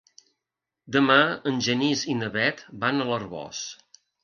Demà en Genís i na Bet van a l'Arboç.